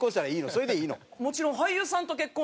それでいいの？